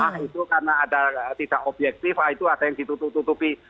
ah itu karena ada tidak objektif ah itu ada yang ditutupi